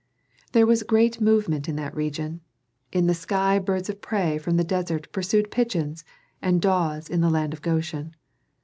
There was great movement in that region. In the sky birds of prey from the desert pursued pigeons and daws in the land of Goshen.